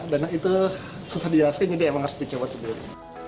dan itu susah dijelaskan jadi emang harus dicoba sendiri